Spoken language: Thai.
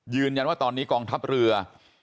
ยืนยันว่าตอนนี้กองทัพเรือ